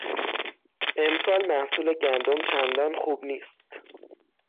امسال محصول گندم چندان خوب نیست.